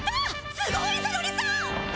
すごいゾロリさん！